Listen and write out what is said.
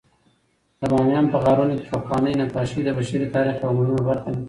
د بامیانو په غارونو کې پخواني نقاشۍ د بشري تاریخ یوه مهمه برخه ده.